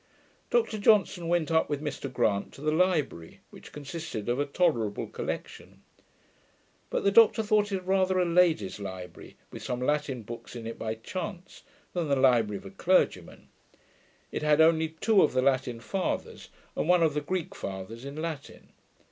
Dr Johnson went up with Mr Grant to the library, which consisted of a tolerable collection; but the Doctor thought it rather a lady's library, with some Latin books in it by chance, than the library of a clergyman. It had only two of the Latin fathers, and one of the Greek fathers in Latin.